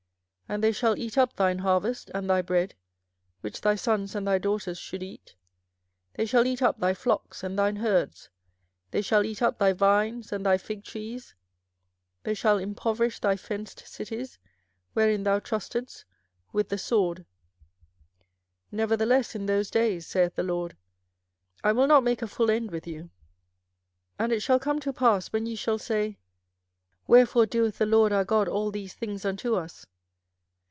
24:005:017 And they shall eat up thine harvest, and thy bread, which thy sons and thy daughters should eat: they shall eat up thy flocks and thine herds: they shall eat up thy vines and thy fig trees: they shall impoverish thy fenced cities, wherein thou trustedst, with the sword. 24:005:018 Nevertheless in those days, saith the LORD, I will not make a full end with you. 24:005:019 And it shall come to pass, when ye shall say, Wherefore doeth the LORD our God all these things unto us?